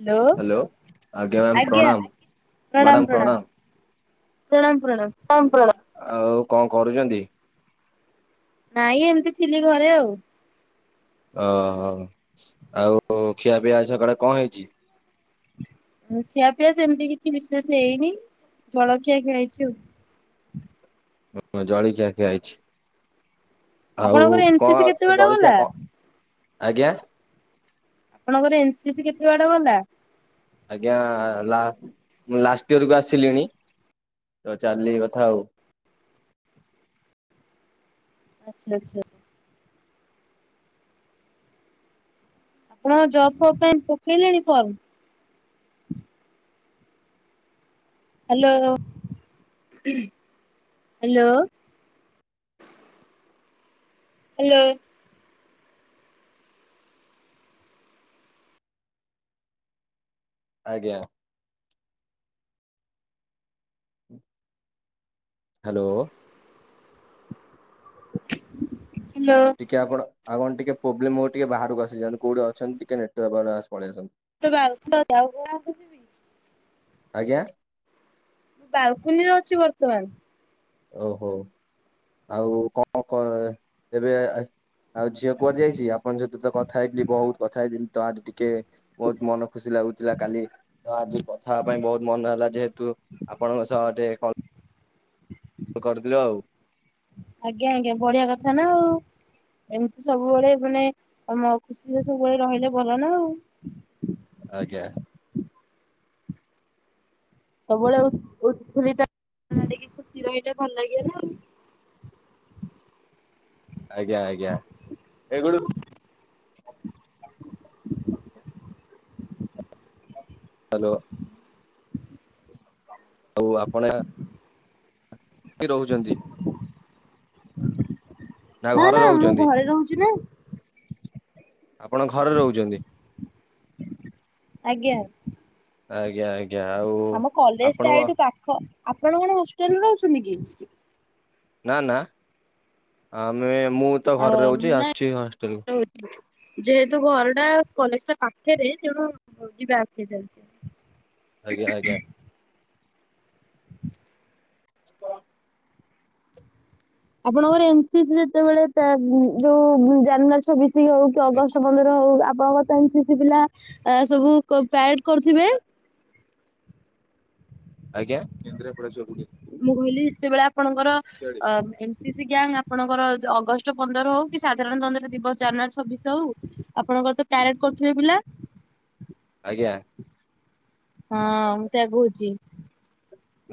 Hello ma'am ଆଜ୍ଞା ପ୍ରଣାମ ପ୍ରଣାମ ପ୍ରଣାମ। ପ୍ରଣାମ ପ୍ରଣାମ। ପ୍ରଣାମ। ଆଉ କଣ କରୁଛନ୍ତି? ନାଇଁ ଏମିତି ଥିଲି ଘରେ ଆଉ। ଓହୋ ଆଉ ଖିଆ ପିଆ ଆଜି ସକାଳେ କଣ ହେଇଛି? ଆଉ ଖିଆ ପିଆ ସେମିତି କିଛି ବିଶେଷ ହେଇନି ଜଳଖିଆ ଖିଆ ହେଇଛି ଆଉ। ଓହୋ ଜଳଖିଆ ଖିଆ ହେଇଛି। ଆଉ ଆପଣଙ୍କର ଏନ୍ ସି ସି କେତେ କଣ ବାଟ ଗଲା? ଜଳଖିଆ କଣ ଆଜ୍ଞା। ଆପଣଙ୍କର ଏନ୍ସି ସି କେତେ ବାଟ ଗଲା? ଆଜ୍ଞା ମୁଁ ଲାଷ୍ଟ ଇୟରକୁ ଆସିଲିଣି ତ ଚାଲିଲା କଥା ଆଉ। ଆଚ୍ଛା ଆଚ୍ଛା। ଆପଣ ଜବ୍ ଫବ୍ ପାଇଁ ପକେଇଲେଣି ଫର୍ମ? Hello hello. ହ୍ୟାଲୋ। ଆଜ୍ଞା। ହ୍ୟାଲୋ। ହ୍ୟାଲୋ। ଟିକେ ଆପଣ ଆଉ କଣ ଟିକେ ପ୍ରୋବ୍ଲେମ୍ ହବ ଟିକେ ବାହାରକୁ ଆସିଯାଆନ୍ତି କୋଉଠି ଅଛନ୍ତି ଟିକେ ନେଟୱର୍କ ପାଉନି ପଳେଇ ଆସନ୍ତୁ। [inaudible] ଆଜ୍ଞା। ବାଲକୁନିରେ ଅଛି ବର୍ତ୍ତମାନ। ଓହୋ ଆଉ କଣ କ ଏବେ ଆଉ ଝିଅ କୁଆଡେ ଯାଇଛି ଆପଣ ଝିଅ ସହିତ କଥା ହେଇଥିଲି ବହୁତ କଥା ହେଇଥିଲି ତ ଆଜି ଟିକେ ବହୁତ ମନ ଖୁସି ଲାଗୁଥିଲା କାଲି। ତ ଆଜି କଥା ପାଇଁ ବହୁତ ମନ ହେଲା ଯେହେତୁ ଆପଣଙ୍କ ସହ ଟିକେ କଲ କରିଥିଲୁ ଆଉ। ଆଜ୍ଞା ଆଜ୍ଞା ବଢିଆ କଥା ନା ଆଉ। ଏମିତି ସବୁବେଳେ ମାନେ ଆମ ଖୁସିରେ ସବୁବେଳେ ରହିଲେ ଭଲ ନା ଆଉ। ଆଜ୍ଞା। ସବୁବେଳେ [inaudible] ଖୁସି ରହିଲେ ଭଲ ଲାଗିବ ନା ଆଉ। ଆଜ୍ଞା ଆଜ୍ଞା ଏଗଳୁ [inaudible] ହ୍ୟାଲୋ। ଆଉ ଆପଣ ରହୁଛନ୍ତି। ନା ଘରେ ନା ମୁଁ ରହୁଛନ୍ତି ଘରେ ରହୁଛି ନା। ଆପଣ ଘରେ ରହୁଛନ୍ତି। ଆଜ୍ଞା। ଆଜ୍ଞା ଆଜ୍ଞା। ଆଉ ଆମ କଲେଜଟା ଆପଣଙ୍କ ଏଇଠୁ ପାଖ ଆପଣ କଣ ହୋଷ୍ଟେଲରେ ରହୁଛନ୍ତି କି? ନା ନା ଆମେ ମୁଁ ତ ଅ ଘରେ ରହୁଛି ମୁଁ ନା ଆସିଛି ହଷ୍ଟେଲକୁ। ଯେହେତୁ ଘରଟା କଲେଜଟା ପାଖରେ ତେଣୁ ଯିବା ଆସିବା ଚାଲିଛି। ଆଜ୍ଞା ଆଜ୍ଞା। ସ୍ପ। ଆପଣଙ୍କର ଏ ନ୍ ସି ସି ଯେତେବେଳେପ୍ଯା ଯୋଉ ଜାନୁଆରୀ ଛବିଶି ହୋଉ କି ଅଗଷ୍ଟ ଆପଣଙ୍କର ଓ ଆପଣ ତ ଏ ନ୍ ସି ସି ପିଲା ସବୁ ପ୍ୟାରେଡ୍ କରୁଥିବେ? ଆଜ୍ଞା। କେନ୍ଦ୍ରାପଡ଼ା ଯିବା ବୁଲି। ମୁଁ ଭୁଲି ଯେତେବେଳେ ଆପଣଙ୍କର ଅ ଏମ ସି ସି ଗ୍ୟାଙ୍ଗ ଆପଣଙ୍କର ଅଗଷ୍ଟ ପନ୍ଦର ହୋଉ କି ସାଧାରଣତନ୍ତ୍ର ଦିବସ ଜାନୁଆରୀ ଛବିଶି ହୋଉ ଆପଣଙ୍କର ତ ପ୍ୟାରେଡ୍ କରୁଥିବେ ପିଲା? ଆଜ୍ଞା। ହଁ ମୁଁ ସେଇଆ କହୁଚି।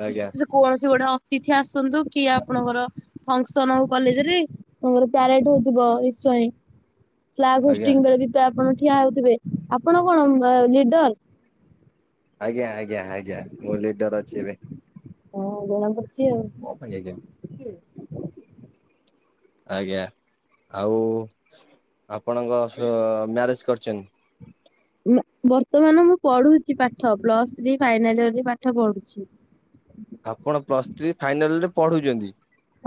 ଆଜ୍ଞା। କୌଣସି ଗୋଟେ ଅତିଥି ଆସନ୍ତୁ କି ଆପଣଙ୍କର ଫଙ୍କସନ ହୋଉ କଲେଜ ରେ ତାଙ୍କର ପ୍ୟାରେଡ୍ ହୋଉଥିବ ନିଶ୍ଚୟେ। କ୍ଲାସ ଆଜ୍ଞା ହେଷ୍ଟିଙ୍ଗ୍ ବେଳେ ବି ପା ଆପଣ ଠିଆ ହୋଉଥିବେ। ଆପଣ କଣ ଲିଡର? ଆଜ୍ଞା ଆଜ୍ଞା ଆଜ୍ଞା। ମୁଁ ଲିଡର ଅଛି ଏବେ। ହଁ ଜଣା ପଡୁଚି ଆଉ। କଁ ପାଇଁ ଯାଇଚନ୍ତି? ଆଜ୍ଞା। ଆଉ ଆପଣଙ୍କ ଅସ ମ୍ୟାରେଜ୍ କରିଚନ୍ତି? ବର୍ତ୍ତମାନ ମୁଁ ପଢୁଚି ପାଠ। ପ୍ଲସ୍ ଥ୍ରୀ ଫାଇନାଲ ଇୟରିଲି ପାଠ ପଢୁଚି। ଆପଣ ପ୍ଲସ୍ ଥ୍ରୀ ଫାଇନାଲ ରେ ପଢୁଚନ୍ତି?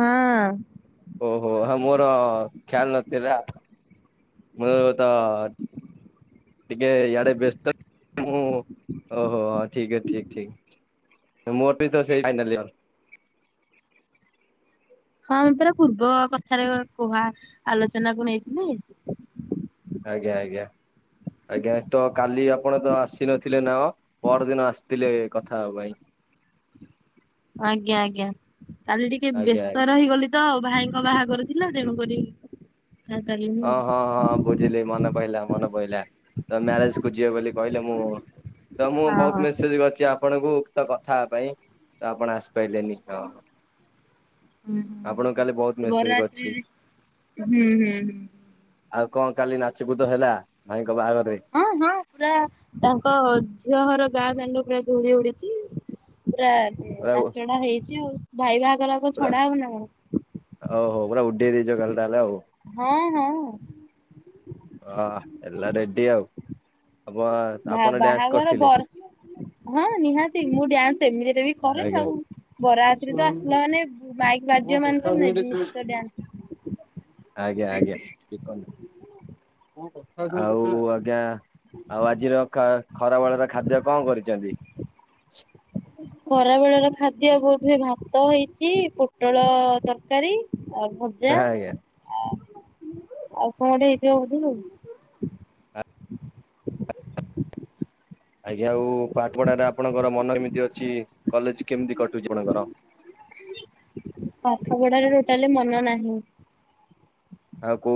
ହଁ। ଓହୋ ମୋର ଖ୍ୟାଲ ନଥିଲା ମୁଁ ତ - - ଟିକିଏ ଇଆଡେ ବ୍ୟସ୍ତ। ମୁଁ ଅ ଓ ଠିକ୍ ହେ ଠିକ୍ ଠିକ୍ ମୋର ବି ତ ସେଇ ଫାଇନାଲି ଇଅର। ହଁ ପରା ପୂର୍ବ କଥାରେ କୁହା ଆଲୋଚନା କୁ ନେଇଥିଲି।। ଆଜ୍ଞା ଆଜ୍ଞା। ଆଜ୍ଞା ତ କାଲି ଆପଣ ତ ଆସିନଥିଲେ ନ ଅ। ପରଦିନ ଆସିଥିଲେ କଥା ହବା ପାଇଁ। ଆଜ୍ଞା ଆଜ୍ଞା। କାଲି ଟିକିଏ ଆଜ୍ଞା ବ୍ୟସ୍ତ ରହିଗଲି - - ତ ଭାଇଙ୍କ ବାହାଘର ଥିଲା ତେଣୁକରି [unintelligible] ହଁ ହଁ ହଁ ବୁଝିଲି। ମନେ ପଇଲା ମନେ ପଇଲା ତ ମ୍ୟାରେଜକୁ ଯିବେ ବୋଲି କହିଲେ ମୁଁ ତ ମୁଁ ଆଉ। ବୋହୁତ ମେସେଜ କରିଛି ଆପଣଙ୍କୁ ଉକ୍ତ କଥା ହଵାପାଇଁ ତ ଆପଣ ଆସିପାଇଲେନି ହଁ ହଁ ଆପଣଙ୍କୁ କାଲି ବହୁତ ହୁଁ ମେସେଜ କରିଛି। ବରରାତ୍ରିରେ ହୁଁ ହୁଁ। ଆଉ କଣ କାଲି ନାଚକୁଦ ହେଲା ଭାଇଙ୍କ ବାହାଘରରେ? ହଁ ହଁ ପୁରା ତାଙ୍କ ଝିଅ ଘର ଗାଁ ଦାଣ୍ଡ ପୁରା ଧୂଳି ଉଡିଚି। ପୁରା ପୁରା ନାଚଡା ହେଇଚି। ଭାଇ ବାହାଘରକୁ ଛଡା ହଵ ନା କଣ? ଆଉ ପୁରା ଉଡେଇ ଦେଇଚ କାଲି ତାହେଲେ ଆଉ। ହଁ ହଁ। ଅଆ ଏଲା ରେଡି ଆଉ। ଆପ ବା ଆପଣ ଡ୍ୟାନ୍ସ ବାହାଘର କରିଥିଲେ ପର ହଁ ନିହାତି ମୁଁ ଡ୍ୟାନ୍ସ ଏମିଡେରେ ବି କରେ ଆଜ୍ଞା। ଆଉ ବର ଯାତ୍ରୀତ ଆସିଲା ମାନେ ମାଇକି ବାଜିବ ମାନେ ଆଜ୍ଞା ତ ନି ଆଜ୍ଞା। ନିଶ୍ଚିତ ଡ୍ୟାନ୍ସ କିଏ କହିଲା। [unintelligible] ଆଉ ଆଜ୍ଞା ଆଉ ଆଜିର ଖା ଖରା ବେଳରେ ଖାଦ୍ୟ କଣ କରିଚନ୍ତି? ଖରାବେଳର ଖାଦ୍ୟ ବୋଧହୁଏ ଭା ଭାତ ହେଇଛି ପୋଟଳ ତର୍କାରୀ ଆଉ ଭଜା। ଆଜ୍ଞା ଅଁ ଆଉ ଉପମା ଟିଏ ହେଇଥିବ ବୋଧେ ଆଉ। ଆଜ୍ଞା ଆଉ ପାଠ୍ ପଢାଟା ଆପଣଙ୍କର ମନ ଏମିତି ଅଛି କଲେଜ୍ କେମ୍ତି କଟୁଛି ଆପଣଙ୍କର? ପାଠପଢାରେ ଟୋଟାଲି ମନ ନାହିଁ। ଆଉ କୁ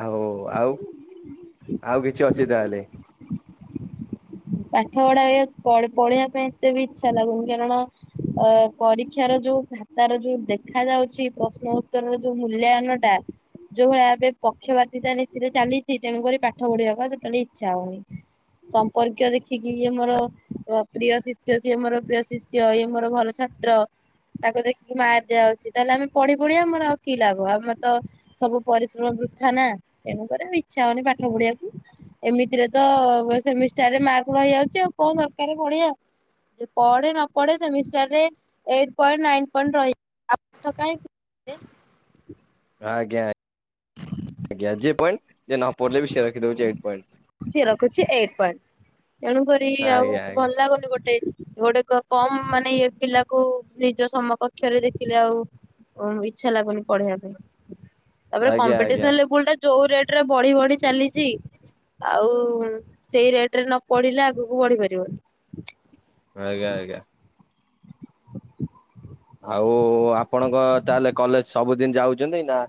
ଆଉ ଆଉ ଆଉ କିଛି ଅଛି ତାହେଲେ? ପାଠ ପଢାରେ ପଢ୍ ପଢିବା ପାଇଁ ଏତେ ବି ଇଚ୍ଛା ଲାଗୁନି କାରଣ - ଅ ପରୀକ୍ଷାର ଯୋଉ ଖାତାର ଯୋଉ ଦେଖା ଯାଉଛି ପ୍ରଶ୍ନ ଉତ୍ତରର ଯୋଉ ମୂଲ୍ୟାୟନ - - ଟା ଯୋଉ ଭଳିଆ ଏବେ ପକ୍ଷବାତିତା ନୀତିରେ ଚ଼ାଲିଚି ତେଣୁକରି ପାଠ ପଢିବାକୁ ଆଉ ଟୋଟାଲି ଇଚ୍ଛା ହୋଉନି। ସମ୍ପର୍କୀୟ ଦେ ଦେଖିକି ଇଏ ମୋର ଅ ଅପ୍ରିୟ ଶିଷ୍ୟ, ସିଏ ମୋର ପ୍ରିୟ ଶିଷ୍ୟ, ଇଏ ମୋର ଭଲ ଛାତ୍ର। ତାକୁ ଦେଖିକି ମାର୍କ ଦିଆ ଦିଆହୋଉଛି ତାହେଲେ ଆମେ ପଢି ପଢି ଆମର ଆଉ କି ଲାଭ ଆମର ତ ସବୁ ପରିଶ୍ରମ ବୃଥାା ନା ତେଣୁକରି ଆଉ ଇଚ୍ଛା ହୋଉନେଇଁ ପାଠ ପଢିବାକୁ। ଏମିତିରେ ତ ବ ସେମିଷ୍ଟାରରେ ମାର୍କ ରହି ଯାଉଛି ଆଉ କଣ ଦର୍କାରେ ପଢିଆ। ଯେ ପଢେ ନ ପଢେ ସେମିଷ୍ଟାରରେ ଏଇଟ ପଏଣ୍ଟ ନାଇନ ପଏଣ୍ଟ ରଇ ଆଉ ପାଠ କାଇଁ ପ ଆଜ୍ଞା। ଯେ ପଏଣ୍ଟ ଜିଏ ନ ପଢିଲେବି ସିଏ ରଖିଦୋଉଛି ଏଇଟ୍ ପଏନ୍ଥ। ସିଏ ରଖୁଛି ଏଇଟ୍ ପଏଣ୍ଟ ତେଣୁକରି ଆଉ ଆଜ୍ଞା ଭଲ୍ ଲାଗୁନି ଗୋଟେ ଗୋଟେ କମ୍ ମାନେ ଇଏ ଥିଲାକୁ କୋଉ ନିଜ ସମକକ୍ଷରେ ଦେଖିଲେ ଆଉ ଉଁ ଇଚ୍ଛା ଲାଗୁନି ପଢେଇବା ପାଇଁ। ତାପରେ ଆଜ୍ଞା ଆଜ୍ଞା କମ୍ପିଟିସନ୍ ଲେବୁଲ ଟା ଯୋଉ ରେଟ୍ ରେ ବଢି ବଢି ଚାଲିଚି ଆଉ ସେଇ ରେଟ୍ ରେ ନ ପଢିଲେ ଆଗୁକୁ ବଢି ପାରିବନି। ଆଜ୍ଞା ଆଜ୍ଞା। ଆଉ ଆପଣ ଙ୍କ ତାହେଲେ କଲେଜ ସବୁଦିନ୍ ଯାଉଚନ୍ତି ନା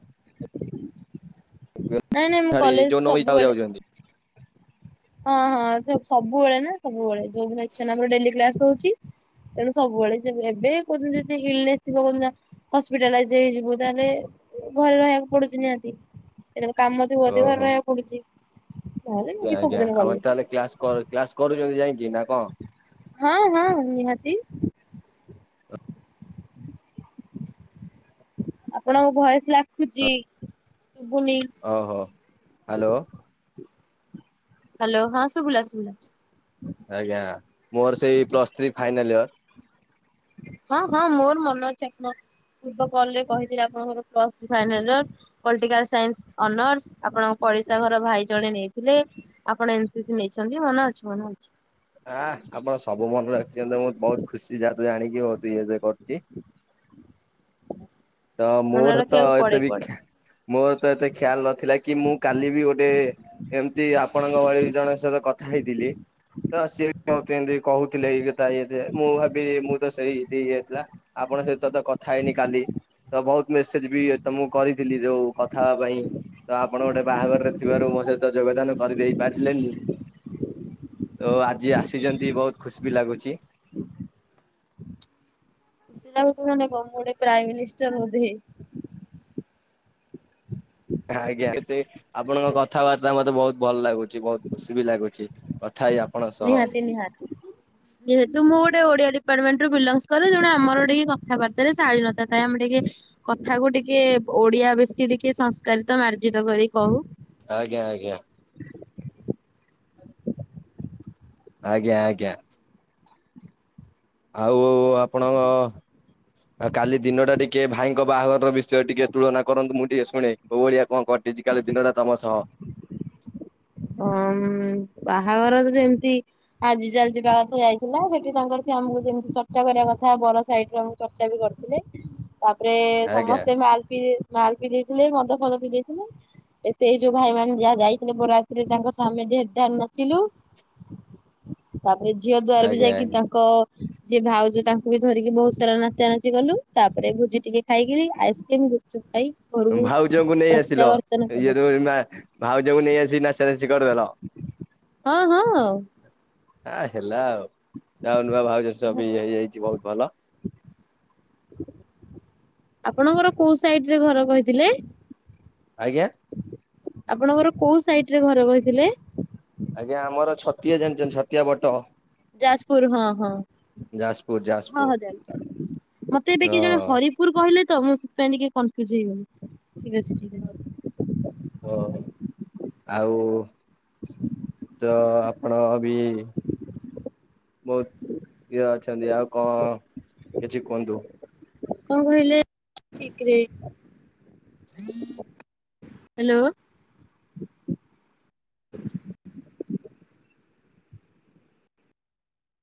ନାଇଁ ନାଇଁ ମୁଁ ଛାଡି କଲେଜ୍ ଯୋଉ ନ ଇଚ୍ଛା ସବୁବେଳେ ଯାଉଛନ୍ତି? ହଁ ହଁ ସବୁ ସବୁବେଳେ ନା ସବୁବେଳେ ଯୋଉଦିନ ଇଚ୍ଛା ନା ଆମର ଡେଲି କ୍ଲାସ ହୋଉଚି। ତେଣୁ ସବୁବେଳେ ଯେବେ ଏବେ କୋଉଦିନ ଯେଦି ହିଲନେସ୍ ଥିବ କୋଉଦିନ ହସ୍ପିଟାଲାଇଜ୍ ହେଇଯିବୁ ତାହେଲେ ଘରେ ରହିଆକୁ ପଡୁଛି ନିହାତି। ଯେତେବେଳ କାମ ଥିବ ଅଧିକ ଘରେ ଓହୋ ରହିଆକୁ ପଡୁଛି। ଆଜ୍ଞା ଆଜ୍ଞା ସବୁଦିନ ଆପଣ କଲେଜ ତାହେଲେ କ୍ଲାସ୍ କରୁ କ୍ଲାସ୍ କରୁଚନ୍ତି ଯାଇକି ନା କଁ? ହଁ ହଁ ନିହାତି। ଆପଣଙ୍କୁ ଭୟସ୍ ଲାଖୁଛି ଶୁଭୁନି। ଓହୋ ହାଲୋ ହାଲୋ ହଁ ଶୁଭିଲା ଶୁଭିଲା। ଆଜ୍ଞା ମୋର ସେଇ ପ୍ଲସ୍ ଥ୍ରୀ ଫାଇନାଲ୍ ଇୟର। ହଁ ହଁ ମୋର ମନେ ଅଛି ଆପଣ ପୂର୍ବ କଲ୍ ରେ କହିଥିଲେ ଆପଣଙ୍କର plus three final year. Political science honours ଆପଣଙ୍କ ପଡିଶା ଘର ଭାଇ ଜଣେ ନେଇଥିଲେ। ଆପଣ ଏମ୍ ସି ସି ନେଇଛନ୍ତି ମନେ ଅଛି ମନେ ଅଛି। ଆଃ ଆପଣ ସବୁ ମନେ ରଖିଛନ୍ତି ମୁଁ ବହୁତ୍ ଖୁସି ଯେହେତୁ ଜାଣିକି ବହୁତ୍ ଇଏ ଯିଏ କରୁଚି। ତ ମନେ ମୋର ତ ରଖିବାକୁ ପଡେ ଏତେ ବି ପଡେ। ଖ୍ୟା ମୋର ତ ଏତେ ଖ୍ୟାଲ୍ ନଥିଲା କି ମୁଁ କାଲି ବି ଗୋଟେ ଏମ୍ତି ଆପଣଙ୍କ ଭଳି ଜଣଙ୍କ ସହିତ କଥା ହେଇଥିଲି। ତ ସିଏ ବି ମତେ ଏମ୍ତି କହୁଥିଲେ ଏଇ କଥା ଇଏ ଜିଏ ମୁଁ ଭାବି ଇଏମୁଁ ତ ପିଇକି ଆସି ଥିଲା। ଆପଣଙ୍କ ସହିତ ତ କଥା ହେଇନି କାଲି। ତ ବୋହୁତ୍ ମେସେଜ ବି ତମୁକୁ କରିଥିଲି ଯୋଉ କଥା ହବା ପାଇଁ।? ତ ଆପଣ ଗୋଟେ ବାହାଘରରେ ଥିବାରୁ ମୋ ସଇତ ଯୋଗଦାନ କରିଦେଇ ପାରିଲେନି। ତୋ ଆଜି ଆସିଚନ୍ତି ବୋହୁତ୍ ଖୁସ୍ ବି ଲାଗୁଛି। ହୁଁ [unintelligible] ମୁଁ ଗୋଟେ ପ୍ରାଇମ ମିନିଷ୍ଟର ବୋଧେ। ଆଜ୍ଞା କେତେ ଆପଣଙ୍କ କଥାବାର୍ତ୍ତା ମତେ ବହୁତ ଭଲ ଲାଗୁଛି ବହୁତ ଖୁସି ବି ଲାଗୁଛି। କଥା ହେଇ ଆ ନିହାତି ନିହାତି। ଯେହେତୁ ମୁଁ ଗୋଟେ ଓଡିଆ ଡିପାର୍ଟମେଣ୍ଟରୁ ବିଲଙ୍ଗସ କରେ ଜଣ ଆମର୍ ଟିକେ କଥାବାର୍ତ୍ତା ରେ ଶାଳୀନତା ଆମେ ଟିକେ କଥାକୁ ଟିକେ ଓଡିଆ ବେଶୀ ଟିକେ ସଂସ୍କାରିତ ମାର୍ଜିତ କରି କହୁ। ଆଜ୍ଞା ଆଜ୍ଞା। ଆଜ୍ଞା ଆଜ୍ଞା। ଆଉ ଆପଣଙ୍କ ଆଉ କାଲି ଦିନ ଟା ଟିକେ ଭାଇଙ୍କ ବାହାଘର ବିଷୟ ଟିକେ ତୁଳନା କରନ୍ତୁ ମୁଁ ଟିକେ ଶୁଣେ। କୋଉ ଭଳିଆ କଣ କଟିଛି କାଲି ଦିନଟା ତମ ସହ। ହଁ ବାହାଘର ତ ଯେମିତି ଆଜି ଚାଲି ଯିବା କଥା ଯାଇଥିଲା ସେଠି ତାଙ୍କର ସେ ଆମକୁ ଯେମିତି ଚର୍ଚ୍ଚା କରିବା କଥା ବର ସାଇଡ ଆମକୁ ଚର୍ଚ୍ଚା ବି କରିଥିଲେ। ତାପରେ ଆଜ୍ଞା ସମସ୍ତେ ମାଲପି ମାଲ ପିନ ଦେଇଥିଲେ ମଦ ଫଦ ପିଦେଇଥିଲେ ସେଇ ଯୋଉ ଭାଇ ମାନେ ଯାହା ଯାଇଥିଲେ ବାରଯା ତ୍ରି ସେ ତା [unintelligible] ତାପରେ ଝିଅ ଦ୍ୱାର ବି ଆଜ୍ଞା ଯାଇକି ଆଜ୍ଞା ତାଙ୍କ ଯିଏ ଭାଉଜ ତାଙ୍କୁ ବି ଧରିକି ବହୁତ ସାରା ନାଚା ନାଚି କଲୁ ତାପରେ ଭୋଜି ଟିକେ ଖାଇକି ଆଇସ୍କ୍ରିମ ଗୁ ସୁୁଟାଇ ଭାଉଜଙ୍କୁ ନେଇ ଆସିଲ କଲୁ ଇଏ ର ମା ଭାଉଜଙ୍କୁ ନେଇ ଆସିିକି ନାଚା ନାଚି କରିଦେଲ। ହଁ-ହଁ। ହାଁ ହେଲା ଆଉ ଯାହା ହ‌ଉ, ନୂଆ ଭାଉଜ ସ ବି ହେଇଯାଇଛି ବହୁତ ଭଲ। ଆପଣଙ୍କର କୋଉ ସାଇଡ୍ ରେ ଘର କହିଥିଲେ। ଆଜ୍ଞା। ଆପଣଙ୍କର କୋଉ ସାଇଟ୍ ରେ ଘର କହିଥିଲେ। ଆଜ୍ଞା ଆମର ଛତିଆ ଜାଣିଛନ୍ତି ଛତିଆ ବଟ। ଯାଜପୁର ହଁ-ହଁ। ଯାଜପୁର ଯାଜପୁର ହଁ-ହଁ ଜାଣିପାଇଲି ମତେ ଏବେ କିଏ ଜଣେ ହଁ ହରିପୁର କହିଲେ ତ ମୁଁ ସେଥିପାଇଁ ଟିକେ କନଫ୍ୟୁଜ ହେଇଗଲି ଠିକ୍ ଅଛିି। ଓହୋ ଆଉ ତ ଆପଣ ବି ବହୁତ୍ ଇଏ ଅଛନ୍ତି ଆଉ କଣ କିଛି କୁହନ୍ତୁ? କ‌ଣ କହିଲେ ଠିକ୍ ରେ [inaudible] ହାଲୋ।